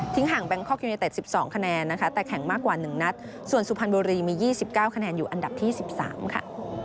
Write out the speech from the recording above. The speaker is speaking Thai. ห่างแบงคอกยูเนเต็ด๑๒คะแนนนะคะแต่แข่งมากกว่า๑นัดส่วนสุพรรณบุรีมี๒๙คะแนนอยู่อันดับที่๑๓ค่ะ